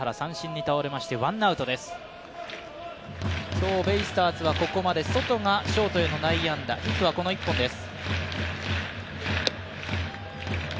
今日ベイスターズはここまでソトがショートへの内野安打、ヒットはこの１本です。